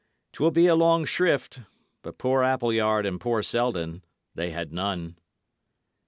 'Twill be a long shrift; but poor Appleyard and poor Selden, they had none."